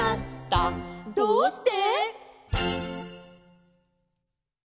「どうして？」